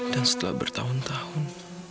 dan setelah bertahun tahun